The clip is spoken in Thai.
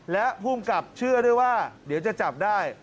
และภูมิกับเชื่อด้วยว่าเดี๋ยวจะจับได้